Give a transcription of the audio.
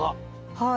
はい。